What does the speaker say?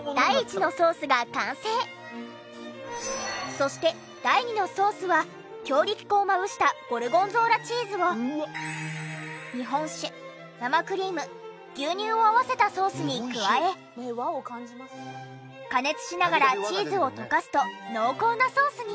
そして第２のソースは強力粉をまぶしたゴルゴンゾーラチーズを日本酒生クリーム牛乳を合わせたソースに加え加熱しながらチーズを溶かすと濃厚なソースに。